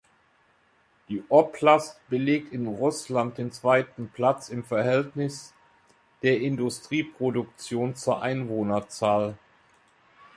Die Oblast belegt in Russland den zweiten Platz im Verhältnis der Industrieproduktion zur Einwohnerzahl.